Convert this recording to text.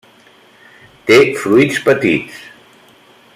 Té fruits petits.